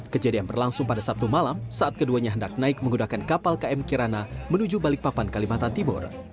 kejadian berlangsung pada sabtu malam saat keduanya hendak naik menggunakan kapal km kirana menuju balikpapan kalimantan timur